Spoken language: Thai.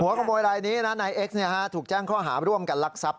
ขโมยรายนี้นะนายเอ็กซ์ถูกแจ้งข้อหาร่วมกันลักทรัพย